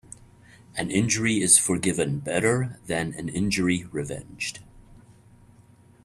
An injury is forgiven better than an injury revenged.